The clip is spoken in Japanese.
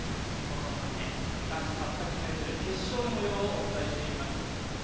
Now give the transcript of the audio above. ９日目、男子８００ｍ決勝の模様をお伝えしていきます。